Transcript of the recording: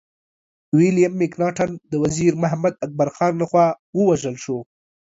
ويليم مکناټن د وزير محمد اکبر خان لخوا ووژل شو.